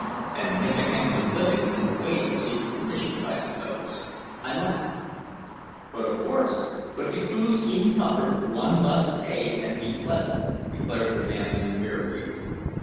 "And make a handsome thing in the way of secret commissions, I suppose?" I laughed. "Of course. But to cruise in comfort one must pay and be pleasant," declared the man with the fair beard.